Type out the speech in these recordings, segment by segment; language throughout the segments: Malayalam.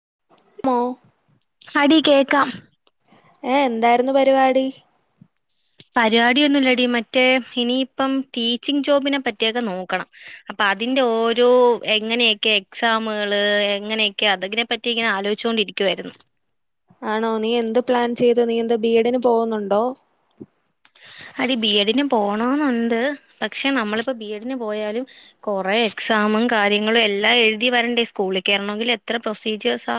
[unintelligible] അടി കേൾക്കാം ഏ എന്തായിരുന്നു പരിപാടി പരിപാടിയൊന്നുല്ലടി മറ്റേ ഇനിയിപ്പം ടീച്ചിങ് ജോബിനെ പറ്റിയൊക്കെ നോക്കണം അ അതിന്റെ ഓരോ എങ്ങനെയൊക്കെ എക്സാമുകള് എങ്ങനെയൊക്കെ അതിനെ പറ്റി ഇങ്ങനെ ആലോചിച്ചോണ്ടിരിക്ക ക്കുവാരുന്നു ആണോ നീ എന്ത് പ്ലാൻ ചെയ്ത് നീ എന്താ ബി എഡിന് പോവുന്നുണ്ടോ അടി ബി എഡിന് പോണോന്നുണ്ട് പക്ഷെ നമ്മളിപ്പോ ബിഎഡിന് പോയാലും കൊറെ എക്സാം മും കാര്യങ്ങളും എല്ലാം എഴുതി വരണ്ടേ സ്കൂളി കേറണോങ്കിലെത്ര പ്രൊസീജിയേസാ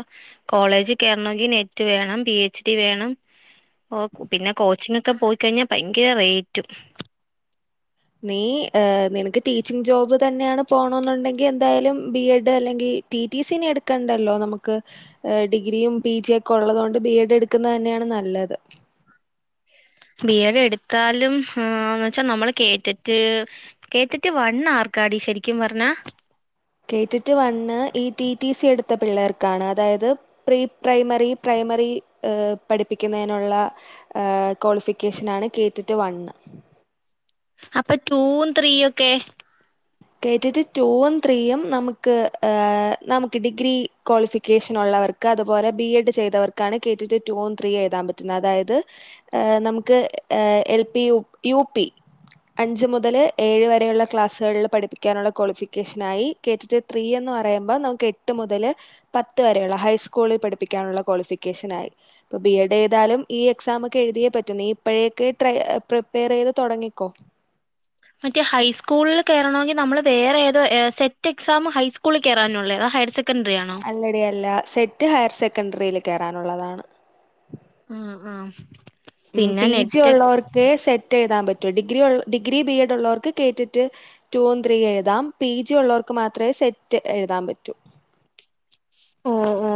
കോളേജ് െങ്ക നെറ്റ് വേണം പി എച്ച് ഡി വേണംഓ പിന്നെ കോച്ചിംഗ ഒക്കെ പോയിക്കഴിഞ്ഞ ഭയങ്കര റേറ്റും നീ നിനക്ക് ടീച്ചിങ് ജോബ് തന്നെയാണ് പോണോന്നുണ്ടെങ്കി എന്തായാലും ബി എഡ് അല്ലെങ്കിൽ ടി ടി സിനി എടുക്കണ്ടല്ലോ നമുക്ക് ഡിഗ്രിയും പി ജിയെക്കെ ഒള്ളതൊണ്ട് ബി എഡ് എടുക്കുന്ന തന്നെയാ ണ് നല്ലത് ബി എഡ് എടുത്താലും ആ ആന്ന് വച്ചാ നമ്മള് കേട്ടിട്ട് കേട്ടിട്ട് വണ്ാർക്കാടി ശരിക്കും പറഞ്ഞാ കേട്ടിട്ട് വണ്ണ് ഈടി ടി സി എടുത്ത പിള്ളേർക്കാണ് അതായത് പ്രീ പ്രൈമറി പ്രൈമ പ്രൈമറി പഠിപ്പിക്കുന്നേനുള്ള ക്വാളിഫിക്കേഷനണ് കേറ്റിട്ട വണ് അപ്പൊ ടൂവും ത്രീയൊക്കെ കേട്ടിട്ട് ടുവും ത്രീയും നമുക്ക് ആ നമുക്ക് ഡിഗ്രി ക്വാളിഫിക്കേഷനൊള്ള അവർക്കതുപോലെ ബി എഡ് ചെയ്തവർക്കാണ് കെറ്റിറ്റ് റ്റൂവും ത്രീയും എഴുതാൻ പറ്റുന്ന അതായത് നമുക്ക് എ യ പി അഞ്ച് മുതൽ ഏഴ് വരെയുള്ള ക്ലാുകളിൽ പഠ ക്കാനുള്ള ക്വാളിഫിക്കേഷനായി കേട്ടിട്ട് ത്രീ എന്ന് പറയുമ്പോ നമുക്ക് എട്ട് മുതല് പത്ത് വരെയുള്ള ഹൈസ്കൂളി പഠിപ്പിക്കാനുള്ള ക്വാളിഫിക്കേഷനായി ഇപ്പ ബി എഡ് ചെയ്താലും ഈ എക്സാം ഒക്കെ എഴുതിയേ പറ്റു നീ പ്പഴയെക്കേ ട്ര പ്രിപ്പയർ ചെയ്ത് തൊടങ്ങിക്കോ മറ്റേ ഹൈസ്കൂളില് കേറണവെങ്കി നമ്മള് വേറെ ഏതോ സെറ്റ് എക്സാം ഹൈസ്കൂളിൽ കേറാനുള്ളേ അതൊ ഹയ് സെ അല്ലടി അല്ല സെറ്റ് ഹയർ സെക്കൻഡറിൽ കേറാനുള്ളതാണ് ആഹ ആഹ ഉ പി ജി ഉള്ളവർക്ക് സെറ്റ് ചെയ്ുതാൻ പറ്റും ഡിഗ്രി ഡിഗ്രി ബി എഡ് ഉള്ളവർക്ക് കേടെറ്റ് ടൂ ത്രീ എഴുതാം പി ജി ഉള്ളവർക്ക് മാത്രേ സെറ്റ് എഴുതാൻ പറ്റൂ ഓ ഓ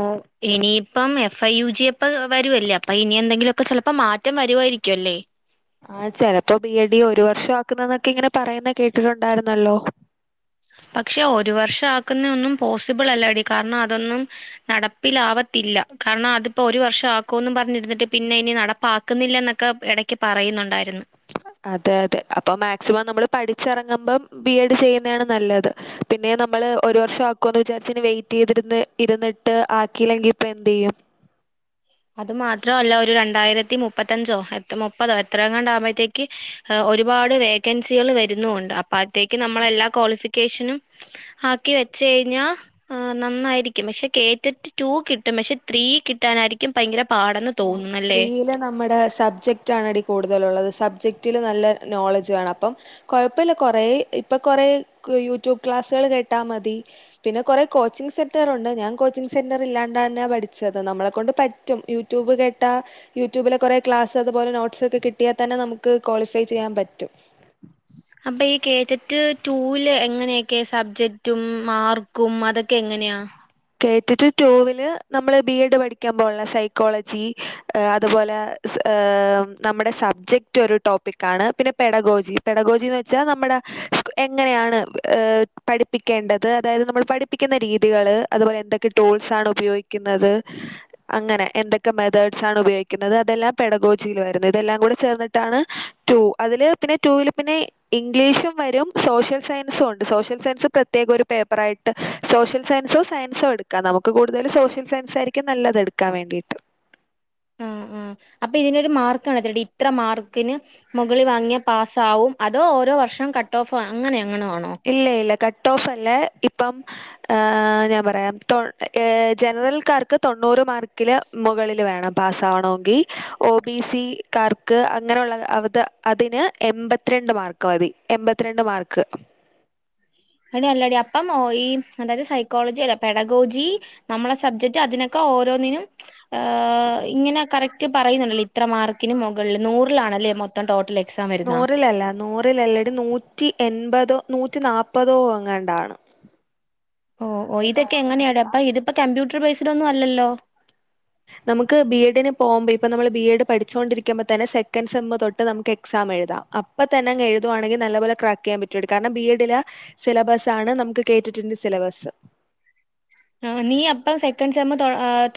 ഇനിയിപ്പം എഫ് ഐ യു ജിപ്പ വരുവല്ലേ അപ്പൊ ഇനി എന്തെങ്കിലുമൊക്കെ ചിലപ്പോ മാറ്റം വരുായിരിക്കോ അല്ലേ ആ ചെലപ്പോ ബി എ ഡി ഒരു വർഷം ആക്കുന്ന എന്നൊക്കെ ഇങ്ങനെ പറയുന്ന കേട്ടിട്ടുണ്ടായിരുന്നല്ലോ പക്ഷെ ഒരു വർഷം ആക്കുന്ന ഒന്നും പോസിബിൾ അല്ലടി കാരണം അതൊന്നും നടപ്പിലാവാത്ത ല്ല കാരണം അതിപ്പോ ഒരു വർഷം ആക്കുമന്ന് പറഞ്ഞിരുന്നിട്ട് പിന്നെ ഇനി നടപ്പാക്കുന്നില്ല എന്നൊക്കെ ഇടക്ക് പറയും ന്നുണ്ടായിരുന്നു അതെ അതെ അപ്പൊ മാക്സിമം നമ്മൾ പഠിച്ചിറങ്ങുമ്പം ബി എഡ് ചെയ്യുന്നതാണ് നല്ലത് പി പിന്നെ നമ്മള് ഒരു വർഷം ആക്കുമന്ന് വിചാരിച്ച വെയിറ്റ് ചെയ്തി ഇരുന്നിട്ട് ആക്കിയില്ലെങ്കി ഇപ്പ എന്ത് ചെയ്യും അത് മാത്രല്ല ഒരു രണ്ടായിരത്തി മുപ്പത്തഞ്ചോ മുപ്പതോ എത്ര കണ്ടാകുമ്പോഴത്തേക്ക് ഒരുപാട് വേക്കൻസികൾ വരുന്നുണ്ട്.. അപ്പോത്തേക്ക് നമ്മളെല്ലാ ക്വാളിഫി ക്കേഷനും ആക്കി വച്ച കഴിഞ്ഞാൽ നന്നായിരിക്കും പക്ഷെ കേറ്റിട്ട് ടു കിട്ടും പക്ഷെ ത്രീ കിട്ടാനായിരിക്ക ഓ ത്രീയില് നമ്മുടെ സബ്ജക്ട് ക്ട് ആണെടി കൂടുതല്ലുള്ളത്.. സബ്ജക്റ്റില് നല്ല നോളജ് വേണം.. അപ്പം കുഴപ്പല്ല കുറേ ഇപ്പ കുറെ യൂട്യൂബ് ക്ലാസുകൾ കേട്ടാ മതി പിന്നെ കുറെ കോച്ചിങ്‌ സെന്റർ ഉണ്ട്.. ഞാൻ കോച്ചിങ് സെന്റ ഇല്ലാണ്ട തന്നെ പഠിച്ചത് നമ്മളെ കൊണ്ട് പറ്റും യൂട്യൂബ് കേട്ടാ യൂട്യൂബിലെ കുറെ ക്ലാസ് അതുപോലെോ്സ് ഒക്കെ കിട്ടിയൽ തന്നെ നമുക്ക് ക്വാളിഫൈ ചെയ്യാൻ പറ്റും അപ്പൊ ഈ കേറ്ററ്റ് ടൂൽ എങ്ങനെയൊക്കെ സബ്ജക്ടും മാർക്കും അതൊക്കെ എങ്ങന അനെയ കേറ്ററ്റ് ടു വില് നമ്മള് ബി എഡ് പഠിക്കാൻ പോലുള്ള സൈക്കോളജി അതുപോലെ നമ്മുടെ സബ്ജക്റ്റ് ഒരു ടോപ്പിക്കാണ് പിന്നെ പെഡഗോജി പെഡഗോജിന്ന് വെച്ചാൽ നമ്മുടെ എങ്ങനെയാണ് ഏ പഠിപ്പിക്കേണ്ടത് അതായത് നമ്മൾ പഠിപ്പിക്കുന്ന രീതികള് അതുപോലെ എന്തൊക്കെ ടൂൾസ് ആണ് ഉപയോഗിക്കുന്നത് അങ്ങനെ എന്തൊക്കെ മെതേഡ്സ് ആണ് ഉപയോഗിക്കുന്നത് ല്ലാം പെടഗോജിൽ വരുന്നു ഇതെല്ലാം കൂടെ ചേർന്നിട്ടാണ് ടു അതില് പിന്നെ ടു വിൽ പിന്നെ ഇംഗ്ലി ഇംഗ്ലീഷും വരും സോഷ്യൽ സയൻസു ഉണ്ട് സോഷ്യൽ സയൻസ് പ്രത്യേക ഒരു പേപ്പറായിട്ട് സോഷ്യൽ സയൻസ് സയൻസോ എടുക്കാം നമുക്ക് കൂടുതൽ സോഷ്യൽ സയൻസ് ആയിരിക്കും നല്ലത് എടുക്കാൻ വേണ്ടിയിട്ട് ആഹ് അപ്പൊ ഇതിനൊരു മാർക്കാണോ ഇത്ര മാർക്കിന് മുകളിൽ വാങ്ങിയ പാസ്സാവും അതോ ഓരോ വർഷം കട്ട് ഓഫ് അങ്ങനെയ ഇല്ല ഇല്ല കട്ട് കട്ട് ഓഫ് അല്ല ഇപ്പം ഞാൻ പറയാ ജനറൽക്കാർക്ക് തൊണ്ണൂറ് മാർക്കില് മുകളിൽ വേണം പാസ് ആവണെങ്കി ഒ ബി സി കാർക്ക് അങ്ങനെയുള്ള അ അതിന് എമ്പത്തിരണ്ട് മാർക്ക് മതി എൻമ്പത്തിരണ്ട് മാർക്ക് അ അല്ലടി അപ്പം ഈ അതായത് സൈക്കോളജി അല്ല പെടഗോജി നമ്മളെ സബ്ജക്ട് അതിനൊക്കെ ഓരോന്നിനും ഇങ്ങനെ കറക്റ്റ് പറയുന്നുണ്ടല്ലോ ഇത്ര മാർക്കിന് മുകളിൽ നൂറിലാണല്ലേ മൊത്തം ടോട്ടല് നൂറിലല്ല നൂറിലല്ലടി നൂറ്റി എൻപതോ നൂറ്റി നാല്പ്പതോ അങ്ങാണ്ടാണ് ഓ ഓ ഇതൊക്കെ എങ്ങനെണ് അപ്പൊ ഇതിപ്പോ കമ്പ്യൂട്ടർ ബേയ്സിലൊന്നും അല്ലല്ലോ നമുക്ക് ബി എഡിന് പോകുമ്പോ ഇപ്പ നമ്മള് ബി എഡ് പഠിച്ചുൊണ്ടിരിക്കുമ്പോ തന്നെ സെക്കൻ സെമ്മ് തൊട്ട് നമുക്ക് എക്സാം എുതാം അപ്പം തന്നെ അങ്ങ് എഴുവാണെങ്കിൽ നല്ലപോലെ ക്രാക്ക് ചെയ്യാൻ പറ്റൂ കാരണം ബി എഡിലെ സിലബസ് ആണ് നമുക്ക് കേട്ടിട്ടുണ്ട് സിലബസ് ആ നീ അപ്പം സെക്കൻഡ് സെമ്മ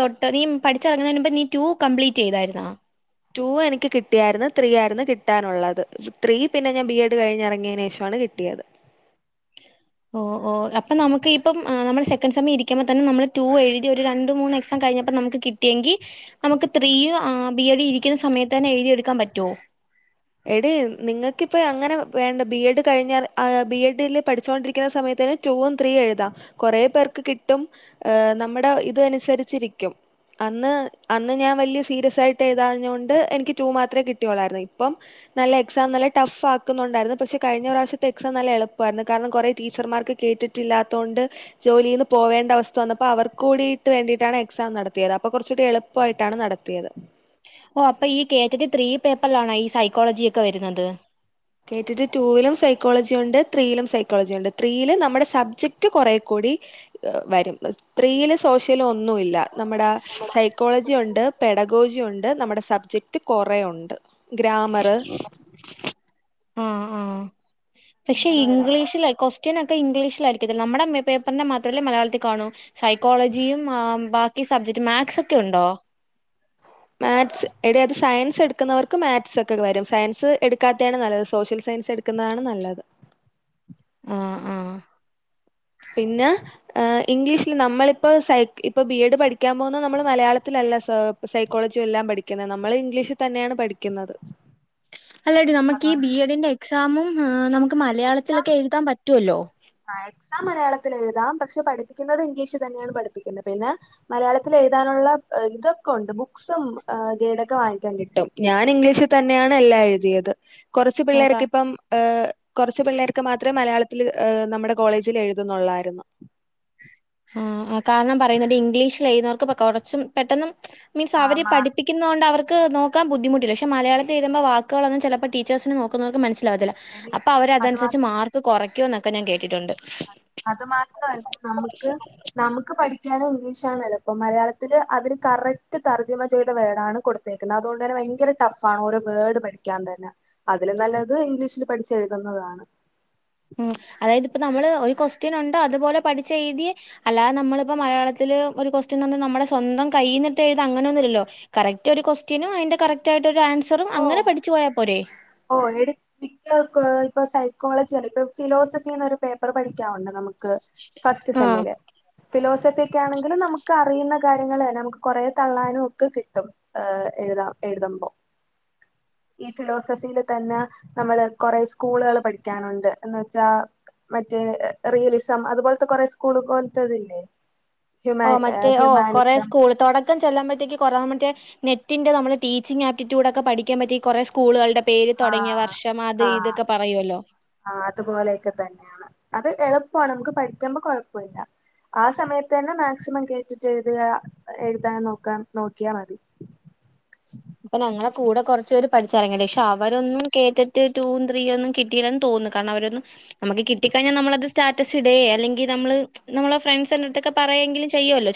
തൊട്ട് നീ പഠിച്ചിറങ്ങുന്നതിന്നു മുമ്പേ നീ ട്യൂ കംപ്ലീറ്റ് ചെയ്തായിരുന്നാ ടു എനിക്ക് കിട്ടിയായിരുന്നു ത്രീ ആയിരുന്നു കിട്ടാനുള്ളത് ത്രീ പിന്നെ ഞാൻ ബി എഡ് കഴിഞ്ഞിറങ്ങിയതിന് ശേഷണ് കി കിട്ടിയത് ഓ ഓ അപ്പൊ നമുക്ക് ഇപ്പം നമ്മ സെക്കൻ് സമ്മ് ഇരിക്കുമ്പോ തന്നെ നമ്മള് ടു എഴുതി ഒരു രണ്ട് മൂന്ന് എക്സാം കഴിഞ്ഞപ്പോ നമുക്ക് കിട്ടിയെങ്കിൽ നമുക്ക് ത്രീ ബിഎ ഡ് ഇരിക്കുന്ന സമയത്ത് തന്നെ എഴുതി എടുക്കാൻ പറ്റൊ എടി നിങ്ങൾക്കിപ്പൊ അങ്ങനെ വേണ്ട ബി എഡ് കഴിഞ്ഞാൽ ബി എഡില് പഠിച്ചൊണ്ടിരിക്കുന്ന സമയത്ത് ടൂവും ത്രീയും എഴുതാം കൊറെേ പേർക്ക് കിട്ടും നമ്മുടെ ഇത് അനുസരിച്ചിരിക്കും. അന്ന് അന്ന് ഞാൻ വലിയ സീരിയസ് ആയിട്ട് എഴുതാഞ്ഞോണ്ട് എനിക്ക് ടു മാത്രമേ കിട്ടിയോളായിരുന്നു അപ്പം നല്ല എക്‌സാം നല്ല ടഫ് ആക്കുന്നുണ്ടായിരുന്നു പക്ഷെ കഴിഞ്ഞ പ്രാവശ്യത്തെ എക്സാം നല്ല എളുപ്പമായിരുന്നു കാരണം കുറെ ടീച്ച [unintelligible] ർമാർക്ക് കേട്ടിട്ടില്ലാത്തതോണ്ട് ജോലിയിൽ നിന്ന് പോവേണ്ട അവസ്ഥ വന്നപ്പോ അവർക്ക് കൂടിയിട്ട് വേണ്ടിയിട്ടാണ് എക്സാം നടത്തിയത് അപ്പൊ കുറച്ചൊക്കെ എളുപ്പമായിട്ടാണ് നടത്തിയത് ഓ അപ്പൊ ഈ കെറ്റ ടി ത്രീ പേപ്പറിലാണോ ഈ സൈക്കോളജി ഒക്കെ വരുന്നത് കേട്ടിട്ട് ടുവിലും സൈക്കോളജിയുണ്ട് ത്രീയിലും സൈക്കോളജി ഉണ്ട് ത്രീയില് നമ്മുടെ സബ്ജക്ട് കുറെ [unintelligible] [unintelligible] കൂടി വരും ത്രീയില് സോശ്യല് ഒന്നുമി ല്ല നമ്മുടെ സൈക്കോളജി ഉണ്ട് പെടകോജി ഉണ്ട് നമ്മുടെ സബ്ജക്റ്റ് കുറെ ഉണ്ട് ഗ്രാമർ ആഹ് ആഹ് പക്ഷെ അങ്ങനെയാണ് വരുന്നത് ഇംഗ്ലീഷ് ലക്ക ക്വൊസ്റ്റ [unintelligible] അപ്പോ നമ്മുടെ പേപ്പറിനെ മാത്രമല്ലേ മലയാളത്തിൽ കാണൂ സൈക്കോളജിയും ആ ബാക്കി സബ്ജക്ട് മാക്സ് ഒക്കെ ഉണ്ടോ? മാക്സ് എടെത് സയൻസ് മാക്സ് എടുക്കുന്നവർക്ക് മാക്സ് ഒക്കെ വരും സയൻസ് എടുക്കാത്തെയാണ് നല്ലത് സോഷ്യൽ സയൻസ് എടുക്കുന്നതാണ് നല്ലത് [unintelligible] ആ ആ പിനന്നെ ഇംഗ്ലീഷില് നമ്മളിപ്പ സ ഇപ്പൊ ബി എഡ് പഠിക്കാൻ പോകുന്നത് നമ്മള് മലയാളത്തില ല്ല സാർ സൈക്കോളജി എല്ലാം പഠിക്കുന്നത് നമ്മള് ഇംഗ്ലീഷിൽ തന്നെയാണ് പഠിക്കുന്നത് അല്ലടി നമുക്ക് ഈ അതാണ് ബി എഡിന്റെ അല്ലട ബി എഡിഎക്സാമും നമുക്ക് മലയാളത്തിലൊക്കെ എഴുതാൻ പറ്റുവല്ലോ മാത്‍സ് എക്സാം മലയാളത്തിൽ എഴുതാം പക്ഷെ പഠിപ്പിക്കുന്നത് ഇംഗ്ലീഷ് തന്നെയാണ് പഠിപ്പിക്കൽ പിന്നെ മലയാളത്തിൽ [unintelligible] എഴു എഴുതാനുള്ള ഇതൊക്കെണ്ട് ബുക്ക് സും ഡോക്കെ വാങ്ങിക്കാൻ കിട്ടും ഞാൻ ഇംഗ്ലീഷിൽ തന്നെയാണ് [unintelligible] ല്ല എഴുതിയത് കുറച്ച് ആക പിള്ളേർ ഇപ്പം കുറച്ച് പിള്ളേർക്ക് മാത്രേ മലയാളത്തിൽ നമ്മുടെ കോളേജിൽ എഴുതുന്നുള്ളായിരുന്നു ആ ആ, കാരണം പറയുന്നുണ്ട് ഇംഗ്ലീഷിൽ എഴുതുന്നവർക്ക് കുറച്ചും പെട്ടന്ന് മീൻസ് ആഹ് അവര് പഠിപ്പിക്കുന്നുന്നത് കൊണ്ട് അ അവർ [unintelligible] ക്ക് നോക്കാം ബദ്ധിമുട്ടില്ല പക്ഷെ മയാളത്തിൽഎഴുതുമ്പോ വാക്കുകളൊന്നും ചിലപ്പോൾ ടീച്ചഴ്സിന്‌ നോക്കുന്നവർ ക്ക് മന മനസിലാവത്തില്ല മാർക്കടി അപ്പൊ അവര അത് അതനുസരിച്ച് മാർക്ക് കുറക്കു എന്നൊക്കെ ഞാൻ കേട്ടിട്ടുണ്ട് അത് മാത്രല്ല നമക്ക് നമുക്ക് പഠിക്കാനും ഇംഗ്ലീഷാണ് എളുപ്പം മലയാളത്തില് അവര് കറക്റ്റ് തർജ്ജമം ചെയ്ത വേടാന് കൊടു ുന്നത് അതുകൊണ്ട് തന്നെ ഭയങ് ടഫ് ആണ് ഓരോ വേഡ് പഠിക്കാൻ തന്നെ അതില് നല്ലത് ഇംഗ്ലീഷിൽ പഠിച്ച് എഴുതുന്ന താണ് ഉ അതായത് ഇപ്പോ നമ്മള് ഒരു ഉം ഉം അതായത് ഒരു ക്വസ്റ്റ്യൻ ഉണ്ട് അതുപോലെ പഠിച്ച എഴുതി അല്ലാതെ നമ്മളിപ്പോ മലയാളത്തിൽ [unintelligible] ഒരു ക്വസ്റ്റൻ തന്ന് നമ്മളെ സ്വന്തം കയിന്നട് അങ്ങനൊന്നുമല്ലോ കറക്റ്റ് ഒരു ക്വസ്റ്റനും അതിന്റെ കറക് ആയിട്ട് ആൻസറും ഓ അങ്ങനെ പഠിച്ചു പോയാ പോരെ ഓ എ മിക്ക ഇപ്പൊ [unintelligible] സൈക്കോളജിയല്ല ഇപ്പൊ ഫിലോസഫിന്ന് ഒരു പേപ്പർ പഠിക്കാവുണ്ട് നമുക്ക് [unintelligible] ക്ക് ഫസ്റ്റ് സെമ്മി ആഹ് ല് ഫിലോസഫി ആണെങ്കിൽ നമുക്ക് അറിയുന്ന കാര്യങ്ങളന്നെ നമുക്ക് കൊറേ തള്ളാനും ഒക്കെ കിട്ടും എഴുതുതാ എഴുതുമ്പോ ഈത് ലോസ് സഫിൽ തന്നെ നമ്മള് കൊറെ സ്കൂളുകള് പഠിക്കാനുണ്ട് എന്ന് വെച്ചാ മറ്റേ റിയലിസം അതുപോലത്തെ കൊറെ സ്കൂള് പോലത്തെതില്ലേ? ഹ്യൂമാ ഓ മറ്റേ ഓ കൊറെേ ഹ്യൂമാനിസം സ്കൂൾ തുടക്കം ചെല്ലാൻ്പോറ്റത്തേക്ക് കൊറ മറ്റേ നെറ്റിന്റെ നമ്മൾ ടീച്ചിങ് ആപ്റ്റ്യൂഡൊക്കെ പഠിക്കാൻ പറ്റിയ കുറെ സ്കൂളുകളുടെ പേര് തുടങ്ങിയ ആഹ് വർഷം അത് ആഹ് ഇതൊക്കെ പറയുല്ലോ ആഹ് അതുപോലെയൊക്കെ തന്നെയാണ് അത് എളുപ്പമാണ് നമുക്ക് പഠിക്കുമ്പോ കുഴപ്പില്ല ആ സമയത്ത് തന്നെ മാക്സിമം കേട്ടിട്ട് എഴുതുക എഴുതാൻ നോക്കാം നോക്കിയാ മതി [inaudible] അപ്പൊ ഞങ്ങളെ കൂടെ കുറച്ച് പേര് പഠിച്ചിറ ങ്ങിടെ [unintelligible] പക്ഷെ അവരൊന്നും കേട്ടറ്റ് ടൂ ത്രീ ഒന്നും കിട്ടയില്ലന്ന് തോന്ന [unintelligible] നമുക്ക്‌ കിട്ടി കഴിഞ്ഞാ നമ്മളത് സ്റ്റാറ്റസിടെ അല്ലെങ്കി നമ്മള് നമ്മളെ [unintelligible] പറയെങ്കിലും ചെയ്യോല്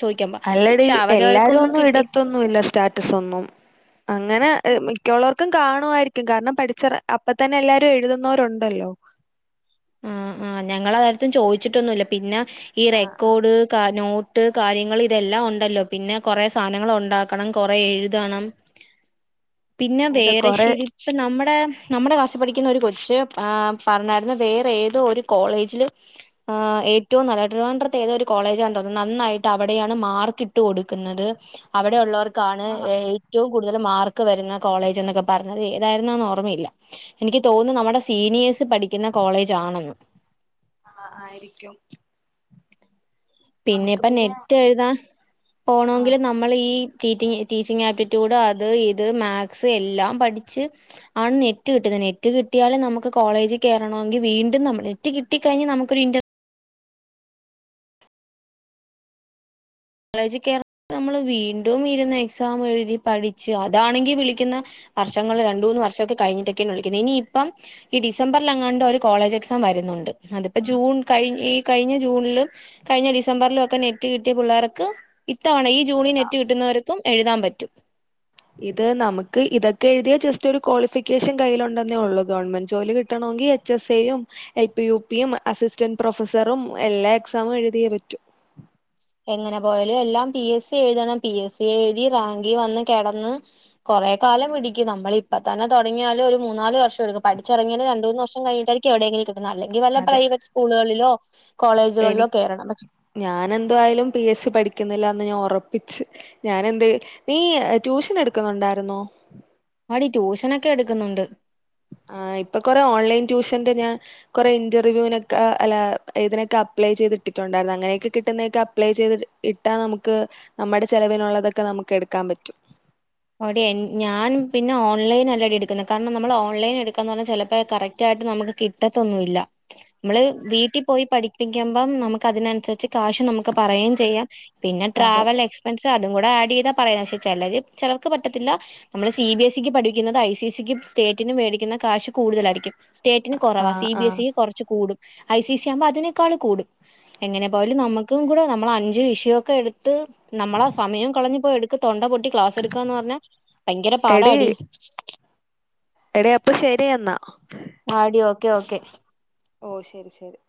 അല്ലടി എല്ലാരും ഒന്നും ഇടത്തൊന്നുല്ല സ്റ്റാറ്റസ് ഒന്നും. അങ്ങനെ [unintelligible] മിക്കുള്ളവർ ക്കും കാണുവായിരിക്കും കാരണം പഠിച്ച അപ്പതന്നെ എല്ലാരും എഴുതുന്നവരുണ്ടല്ലോ ആ, ആ, ഞങ്ങള് ആ കാര്യത്തിൽ ചോദിച്ചിട്ടൊന്നുല്ല പിന്നെ ഈ ആഹ് ആ റെക്കോർഡ് നോ ട്ട്, കാര്യങ്ങൾ ഇതെല്ലാം, ഉണ്ടല്ലോ, പിന്നെ കുറെ സാധനങ്ങൾ, ഉണ്ടാക്കണം കൊറെ എഴുതണം പിന്നെ അതെ വേറെ കൊറെ ശരിപ്പം നമ്മുടെ മ്മടെ നമ്മുടെ ക്ലാസ്സിൽ പഠിക്കുന്ന ഒരു കൊച് പറഞായിരുന്നു വേ ഏതോ ഒരു കോളേജില് ഏറ്റവും നല്ല ട്ട്രിവാണ്ടത്തെ ഏധോ ഒരു കോളേജാ തോന്നുന്നത് നന്നായിട്ട് അടെ മാർക്ക് ഇട്ട് കൊടുക്കുന്നത് അവിടെ ഉള്ളവർക്കാണ് ആ ഏറ്റവും കൂടുതൽ മാർക്ക് വരുന്ന കോളേജ് എന്നൊക്കെ പറഞ് ഏതായിന്നന്ന് ഓർമ്മയില്ല എനിക്ക് തോന്നുന്നു നമ്മുടെ സീനിയേഴ് പഠിക്കുന്ന കോളേജാണെന്ന് ആഹ ആയിരിക്കും. പിന്നെ ഇപ്പം നെറ്റ് എഴുതാൻ ആ പോണങ്കി നമ്മൾ ഈ ടീച്ചി ടീച്ചിങ് ആപ്റ്റിറ്റ്യൂഡ് അത് ഇത് മാക്സ് എല്ലാം പഠിച്ച് ആണ് നെറ്റ് കിട്ടുന്നത് നെറ്റ് കിട്ടിയാലും നമുക്ക് കോളേജിൽ കേറണമെങ്കി വീണ്ടുംനമ് നെറ്റ് കിട്ടിക്കഴിഞ്ഞ നമുക്കൊരു ഇ കോളേജ് കേറണങ്കി നമ്മള് വീണ്ടും ഇരുന്ന് എക്സാം എഴുതി പഠിച് അതാണെങ്കി വിളിക്കുന്ന വർഷങ്ങൾ രണ്ട് മൂന്ന് വർഷം ഒക്കെ കഴിട്ടൊക്കെയാണ് വിളിക്കുന്നത് ഇനി ഇപ്പം ഈ ഡിസംബറിൽഎങ്ങാണ്ട് ഒരു കോളേജ് എക്സാം വരുന്നുണ്ട് അതിപ്പോ ഉം ജൂൺ കഴി ഈ കഴിഞ്ഞ ജൂണിലും കഴിഞ്ഞ ഡിസംബറിലും ഒക്കെ നെറ്റ് കിട്ടിയ പിള്ളേൊരോക്കെ ക്കെ ഇത്തവണ ഈ ജൂണിൽ നെറ്റ്‌ കിട്ടുന്നവർക്കും എഴുതാൻപറ്റും ഇത് നമുക്ക് ഇതൊക്കെ എഴുതിയ ജസ്റ്റ് ഒരു ക്വാളിഫിക്കേഷൻ കയ്യിയിലുണ്ടെന്നേ ഉള്ളൂ ഗവൺമെന്റ് ജോലി കിട്ടണോ ങ്കി എച് സ് എ യും ൽപ്പി യുപ്പി യും അസിസ്റ്റന്റ് പ്രൊഫസറും എല്ലാ എക്സാമും എഴുതിയേപറ്റു എങ്ങനെ പോയാലും എല്ലാം പി എസ് സി എഴുതണം പി എസ് സി എഴുതി റാങ്ക് വന്ന് കിടന്ന് കുറെ കാലം പിടിക്കും നമ്മള് ഇപ്പ തന്നെ തുടങ്ങിയാല് ഒരു മൂന്നാല് വർഷം എടുക്കും പഠിച്ചിറങ്ങിയാലും രണ്ട് മൂന്ന് വർഷം കഴിഞ്ഞട്ടായിരിക്കും എവിടെയെങ്കിലും അല്ലെങ്കി വല്ല അതെ പ്രൈവറ്റ് സ്കൂളുകളിലോ എനി കോളേജുകളിലോ കേറണം പക്ഷെ ഞാൻ എന്തായാലും പി എസ് സി പഠിക്കുന്നില്ലന്ന് ഞാൻ ഉറപ്പിച്ച് ഞാൻ എന്ത് നീ ട്യൂഷൻ എടുക്കുന്നുണ്ടായിരുന്നോ ആടി, ട്യൂഷനൊക്കെ, എടുക്കുന്നുണ്ട് ആ, ഇപ്പൊ, കൊറെ, ഓൺലൈൻ, ട്യൂഷന്റെ ഞാൻ കുറെ ഇന്റർവ്യൂവിനൊക്ക ഞാൻ അപ്പളേ ചെയ്തിട്ടുണ്ട് അപ്ലൈ, ചെയ്തിട്ടിട്ടുണ്ടായി, അങ്ങനെയൊക്കെ, കിട്ടുന്നതൊക്കെ അപ്ലെ ചെയ്ത് ഇട്ടാൽ നമുക്ക് നമ്മുടെ ആവിശ്യങ്ങൾക്ക് ചിലവിനുള്ളത് കിട്ടും നമുക്ക്, എടുക്കാൻ, പറ്റും അവിടെ ഞാൻ പിന്നെ ഓൺലൈൻ കാരണം, നമ്മൾ, ഓൺലൈൻ, എടുക്കാന്ന്, പറഞ്ഞാ, ചിലപ്പോ, കറക്, ആയിട്ട് നമ്മുക്ക് കിട്ടത്തൊന്നുമില്ല നമ്മള്, വീട്ടിൽ, പോയി, പഠിപ്പിക്കുമ്പോൾ നമുക്ക്, അതിനനുസരിച്ച്, കാശ്, നമുക്ക്, പറയുകയും ചെയ്യാം പിന്നെ അതെ ട്രാവൽ എക്സ്പെൻസ് അതു കൂടെ ആഡ് ചെയ്താ പറയുക പക്ഷെ, ചിലർ ചിലർക്ക്, പറ്റത്തില്ല, നമ്മള്, സി, ബി, സിക്കു പഠിക്കുന്നത്, ഐ, സി, എ, സിക്കും, സ്റ്റേറ്റിനും, മേടിക്കുന്ന ക്യാഷ് കൂടുതലായിരിക്കും സ്റ്റേറ്റിനു ആ കുറവാ, സി, ആ ബി, എസ്, ക്കു കുറച്ച്കൂടും- ഐ, സി, സി, ആകുമ്പോ, അതിനേക്കാൾ, കൂടും എങ്ങനെ പോയാലും നമ്മുക്കു കൂടെ, നമ്മൾ അഞ്ചു വിഷയക്കെ എടുത്ത് നമ്മളെ ആ സമയംകളഞ്ഞു പോയി എടുത്തു തൊണ്ടപൊട്ടി ന്ന് പറഞ്ഞ ഭയങ്കര എടി പാടാണ് ടീ എടി അപ്പൊ ശരി എന്ന എന്നാ ആടി ഓക്കെ ഓക്കെ. ഓ, ശരി, ശരി.